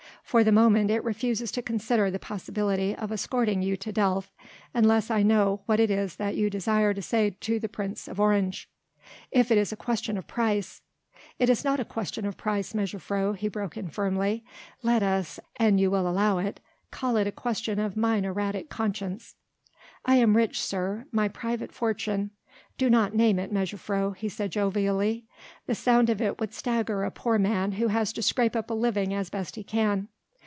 For the moment it refuses to consider the possibility of escorting you to Delft unless I know what it is that you desire to say to the Prince of Orange." "If it is a question of price...." "It is not a question of price, mejuffrouw," he broke in firmly, "let us, an you will allow it, call it a question of mine erratic conscience." "I am rich, sir ... my private fortune...." "Do not name it, mejuffrouw," he said jovially, "the sound of it would stagger a poor man who has to scrape up a living as best he can."